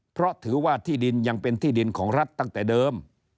เพราะถือว่าที่ดินยังเป็นที่ดินของรัฐตั้งแต่เดิม